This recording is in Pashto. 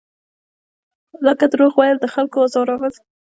لکه دروغ ویل، د خلکو ازارول.